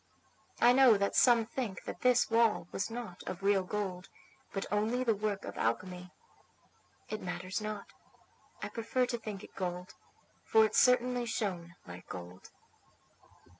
I know that some think that this wall was not of real gold, but only the work of alchemy; it matters not; I prefer to think it gold, for it certainly shone like gold.